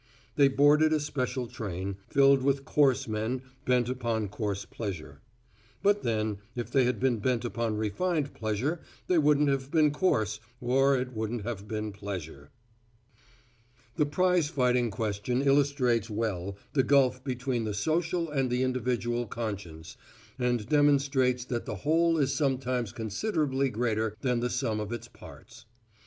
They boarded a special train, filled with coarse men bent upon coarse pleasure. But then, if they had been bent upon refined pleasure they wouldn't have been coarse or it wouldn't have been pleasure. The prizefighting question illustrates well the gulf between the social and the individual conscience and demonstrates that the whole is sometimes considerably greater than the sum of its parts.